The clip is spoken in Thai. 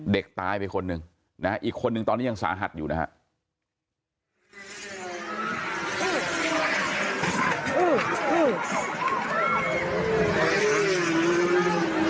เด็กตายไปคนหนึ่งนะอีกคนนึงตอนนี้ยังสาหัสอยู่นะครับ